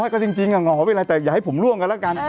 ก็จริงหอเป็นไรแต่อย่าให้ผมล่วงกันแล้วกัน